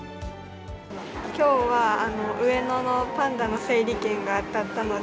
きょうは上野のパンダの整理券が当たったので。